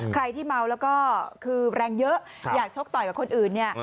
ใครที่เมาแล้วก็คือแรงเยอะอยากชกต่อยกับคนอื่นเนี่ย